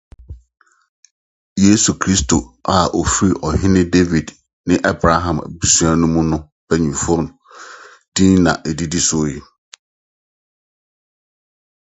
"Unfaithful" is Lyne's last film to date.